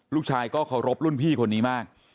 ลูกชายก็เคารพรุ่นพี่คนนี้มาก